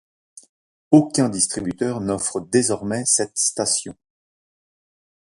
Aucun distributeur n'offre désormais cette station.